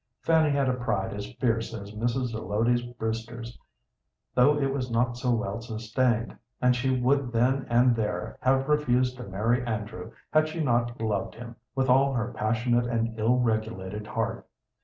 Fanny had a pride as fierce as Mrs. Zelotes Brewster's, though it was not so well sustained, and she would then and there have refused to marry Andrew had she not loved him with all her passionate and ill regulated heart.